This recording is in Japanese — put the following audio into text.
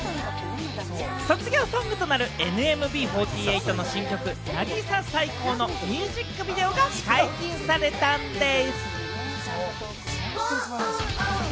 卒業ソングとなる、ＮＭＢ４８の新曲『渚サイコー！』のミュージックビデオが解禁されたんでぃす！